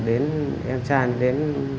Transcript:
em trai đến